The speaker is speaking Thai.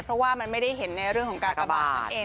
เพราะว่ามันไม่ได้เห็นในเรื่องของการกระบาดนั่นเอง